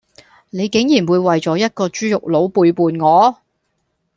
你竟然會為咗一個豬肉佬背叛我